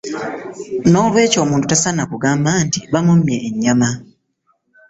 N'olwekyo omuntu tasaana kugamba nti bamumye enyama .